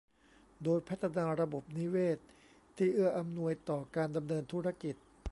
โดยพัฒนาระบบนิเวศที่เอื้ออำนวยต่อการดำเนินธุรกิจ